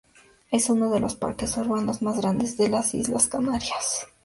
Es uno de los parques urbanos más grandes de las Islas Canarias.